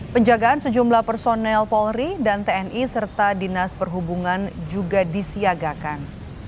penjagaan sejumlah personel polri dan tni serta dinas perhubungan juga disiagakan